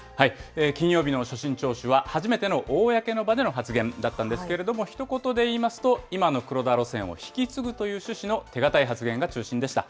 金曜日の所信聴取は初めての公の場での発言だったんですけれども、ひと言で言いますと、今の黒田路線を引き継ぐという趣旨の手堅い発言が中心でした。